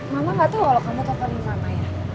mama gak tau kalau kamu teleponin mama ya